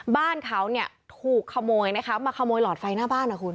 บ้านเขาเนี่ยถูกขโมยนะคะมาขโมยหลอดไฟหน้าบ้านนะคุณ